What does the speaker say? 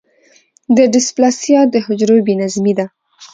د ډیسپلاسیا د حجرو بې نظمي ده.